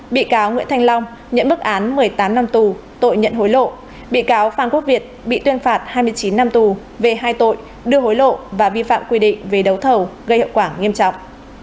bị cáo nguyễn thanh long nhận bức án một mươi tám năm tù tội nhận hối lộ bị cáo phan quốc việt bị tuyên phạt hai mươi chín năm tù về hai tội đưa hối lộ và vi phạm quy định về đấu thầu gây hậu quả nghiêm trọng